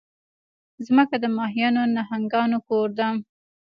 مځکه د ماهیانو، نهنګانو کور ده.